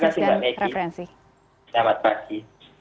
terima kasih mbak megi selamat pagi